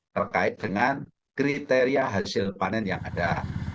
terkait dengan kriteria hasil panen yang ada